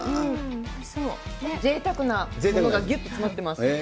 ぜいたくなものがぎゅっと詰まってます。